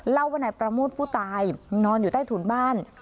เล่าว่านายประโมทผู้ตายนอนอยู่ใต้ถุนบ้าน